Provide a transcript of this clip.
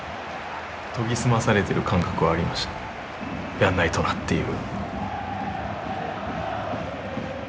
やんないとなっていう。